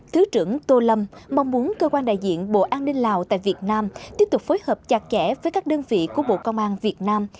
thứ trưởng tô lâm mong muốn cơ quan đại diện bộ an ninh lào tại việt nam tiếp tục phối hợp chặt chẽ với các đơn vị của bộ công an việt nam